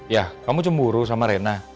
ya kamu cemburu sama rena